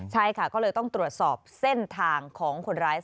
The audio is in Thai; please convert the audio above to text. ใช่ค่ะก็เลยต้องตรวจสอบเส้นทางของคนร้าย